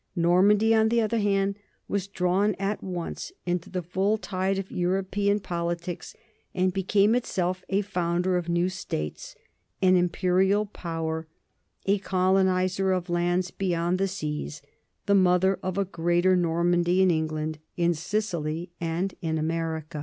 Normandy, on the other hand, was drawn at once into the full tide of European politics and became itself a founder of new states, an imperial power, a colonizer of lands beyond the seas, the mother of a greater Normandy in England, in Sicily, and in America.